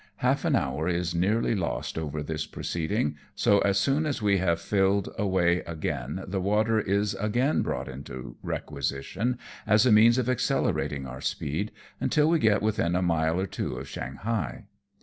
Half an hour is nearly lost over this proceeding, so as soon as we have filled away again, the water is again brought into requisition as a means of accelerating our speed, until we get within a mile or two of Shanghai.